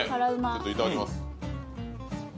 ちょっといただきます。